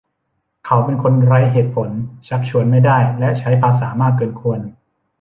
เขาเป็นคนไร้เหตุผล ชักชวนไม่ได้ และใช้ภาษามากเกินควร